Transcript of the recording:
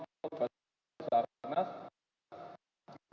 itu sudah diberi